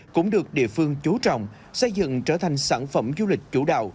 cũng được địa phương chú trọng xây dựng trở thành sản phẩm du lịch chủ đạo